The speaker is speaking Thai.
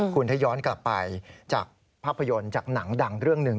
คุณถ้าย้อนกลับไปจากภาพยนตร์จากหนังดังเรื่องหนึ่ง